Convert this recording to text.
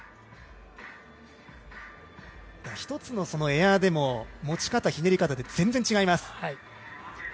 一つのエアでも、持ち方ひねり方で全然、違います。